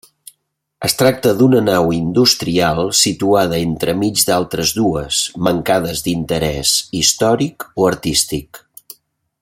Es tracta d'una nau industrial situada entremig d'altres dues mancades d'interès històric o artístic.